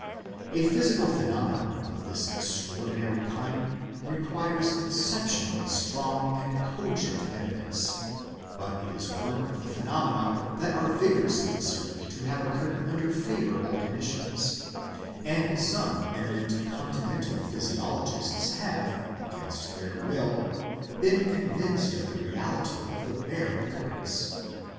A physical phenomenon of this extraordinary kind requires exceptionally strong and cogent evidence, but it is one of the phenomena that are vigorously asserted to have occurred under favourable conditions; and some eminent Continental physiolog ists have, against their will, been convinced of the reality of the bare occurrence.